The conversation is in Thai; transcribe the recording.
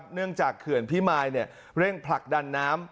เนื่องจากเขื่อนพิมายเร่งผลักดันน้ำ